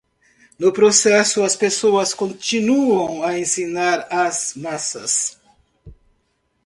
No processo, as pessoas continuam a ensinar as massas